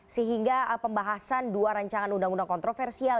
sehingga pembahasan dua rancangan undang undang kontroversial